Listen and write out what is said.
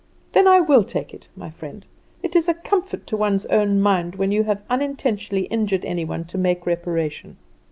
"Then I will take it, my friend. It is a comfort to one's own mind when you have unintentionally injured any one to make reparation.